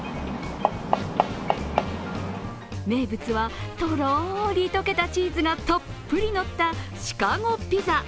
名物はとろーり溶けたチーズがたっぷりのったシカゴピザ。